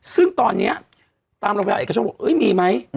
ซึ่งตอนนี้ตามโรงพยาบาลเอกชนบอกมีไหม